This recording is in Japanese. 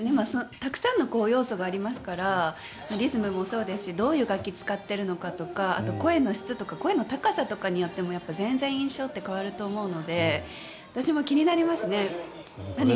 たくさんの要素がありますからリズムもそうですしどういう楽器を使っているのかとかあと、声の質とか声の高さとかによっても全然印象って変わると思うので私も気になりますね。